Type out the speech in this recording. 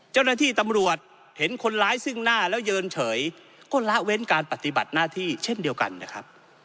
เจ้าหน้าที่ตำรวจเห็นคนร้ายซึ่งหน้าแล้วเยินเฉยก็ละเว้นการปฏิบัติหน้าที่เช่นเดียวกันนะครับ